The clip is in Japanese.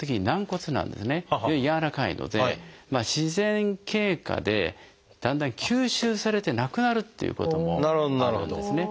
軟らかいので自然経過でだんだん吸収されてなくなるっていうこともあるんですね。